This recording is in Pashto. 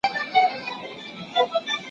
د مقالې لیکني بهیر ډېر وخت او پاملرنه غواړي.